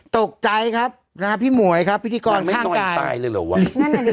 ตกใจครับฮะพี่มวยครับพิธีกรข้างกายตายหรือหรือวะนั่นอ่ะดี